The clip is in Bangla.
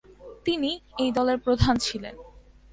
তিনি এই দলের প্রধান ছিলেন।